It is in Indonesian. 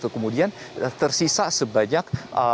kemudian tersisa sebanyak